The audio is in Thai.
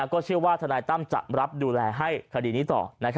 ก็เชื่อว่าทนายตั้มจะรับดูแลให้คดีนี้ต่อ